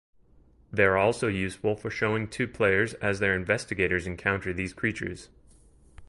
They are also useful for showing to players as their Investigators encounter these creatures.